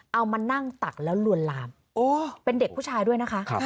เอามานั่งตักแล้วลวนลามเป็นเด็กผู้ชายด้วยนะคะ